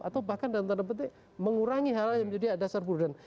atau bahkan dalam tanda petik mengurangi hal hal yang menjadi dasar prudent